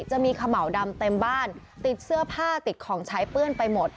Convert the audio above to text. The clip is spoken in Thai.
จะมีเขม่าวดำเต็มบ้านติดเสื้อผ้าติดของใช้เปื้อนไปหมด